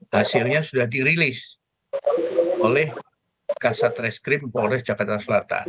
hasilnya sudah dirilis oleh kasat reskrim polres jakarta selatan